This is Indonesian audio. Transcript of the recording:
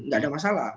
nggak ada masalah